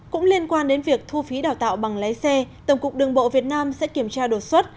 cũng liên quan đến việc thu phí đào tạo bằng lái xe tổng cục đường bộ việt nam sẽ kiểm tra đột xuất